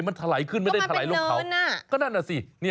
มันทะไหลขึ้นไม่ได้ทะไหลลงเขาก็มันเป็นเนิน